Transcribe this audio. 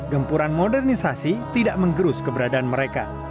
gempuran modernisasi tidak menggerus keberadaan mereka